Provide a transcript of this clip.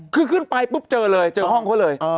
คือขึ้นไปปุ๊บเจอเลยเจอห้องเขาเลย